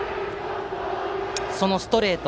そのストレート。